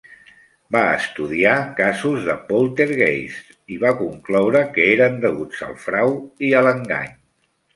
Va estudiar casos de "poltergeists" i va concloure que eren deguts al frau i a l'engany.